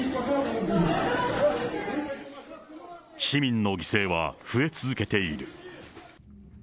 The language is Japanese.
市民の犠牲は増え続けている。